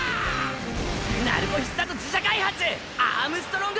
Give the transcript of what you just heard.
鳴子必殺自社開発アームストロング